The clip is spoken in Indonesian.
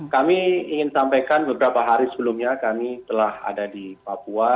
kami ingin sampaikan beberapa hari sebelumnya kami telah ada di papua